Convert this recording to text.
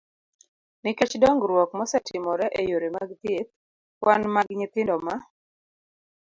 nikech dongruok mosetimore e yore mag thieth, kwan mag nyithindo ma